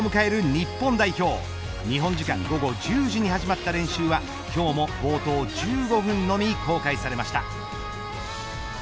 日本時間午後１０時に始まった練習は今日も冒頭１５分のみ公開されました。